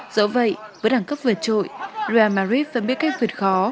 dẫu vậy với đẳng cấp vượt trội real madrid vẫn biết cách vượt khó